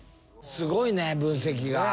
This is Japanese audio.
すごいね分析が。